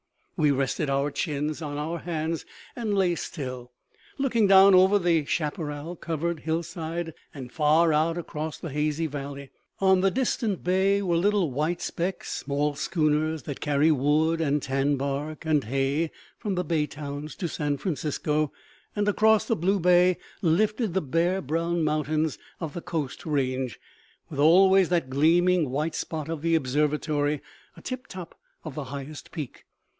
We rested our chins on our hands and lay still, looking down over the chaparral covered hillside and far out across the hazy valley. On the distant bay were little white specks, small schooners that carry wood and tan bark and hay from the bay towns to San Francisco; and across the blue bay lifted the bare, brown mountains of the Coast Range, with always that gleaming white spot of the Observatory a tiptop of the highest peak.